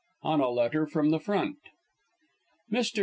ON A LETTER FROM THE FRONT. Mr.